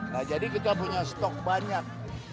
nah jadi kita punya stok banyak